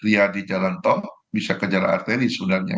dia di jalan tol bisa ke jalan arteri sebenarnya